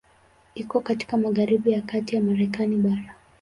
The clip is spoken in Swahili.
Iko katika magharibi ya kati ya Marekani bara.